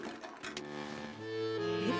えっ？